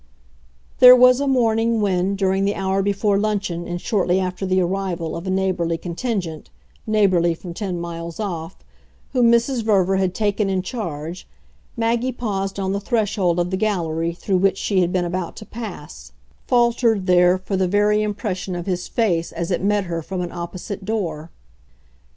There was a morning when, during the hour before luncheon and shortly after the arrival of a neighbourly contingent neighbourly from ten miles off whom Mrs. Verver had taken in charge, Maggie paused on the threshold of the gallery through which she had been about to pass, faltered there for the very impression of his face as it met her from an opposite door.